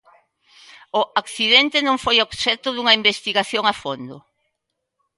O accidente non foi obxecto dunha investigación a fondo.